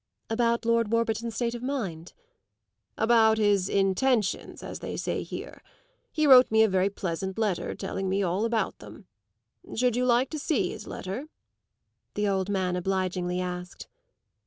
"About Lord Warburton's state of mind?" "About his intentions, as they say here. He wrote me a very pleasant letter, telling me all about them. Should you like to see his letter?" the old man obligingly asked.